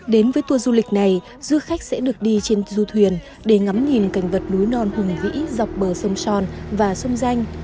đến với tour du lịch này du khách sẽ được đi trên du thuyền để ngắm nhìn cảnh vật núi non hùng vĩ dọc bờ sông son và sông danh